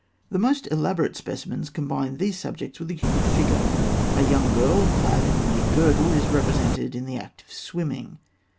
The most elaborate specimens combine these subjects with the human figure. A young girl, clad in a mere girdle, is represented in the act of swimming (fig.